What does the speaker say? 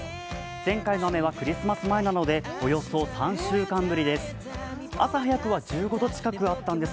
前回の雨はクリスマス前なので、およそ３週間ぶりです。